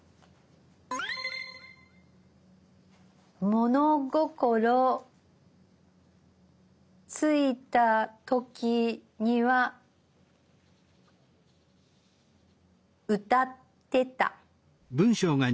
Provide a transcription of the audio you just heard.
物心ついた時には歌ってた。